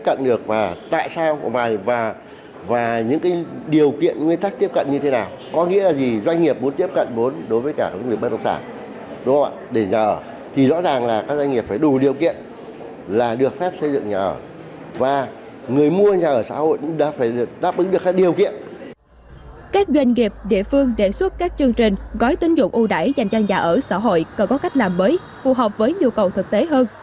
các doanh nghiệp địa phương đề xuất các chương trình gói tín dụng ưu đẩy dành cho nhà ở xã hội cần có cách làm mới phù hợp với nhu cầu thực tế hơn